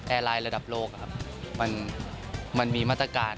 แอร์ไลน์ระดับโลกมันมีมาตรการ